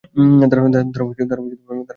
দাঁড়াও, আগে জিজ্ঞেস কইরা নেই।